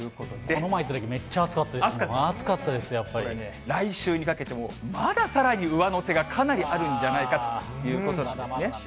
この前行ったとき、これね、来週にかけてもまださらに上乗せがかなりあるんじゃないかということなんですね。